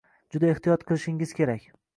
Juda ehtiyot qilishingiz kerak